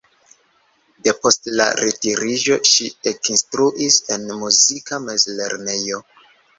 Depost la retiriĝo ŝi ekinstruis en muzika mezlernejo.